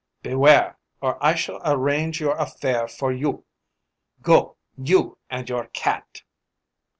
Beware! or I shall arrange your affair for you! Go! you and your cat!"